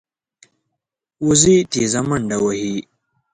وزې تېزه منډه وهي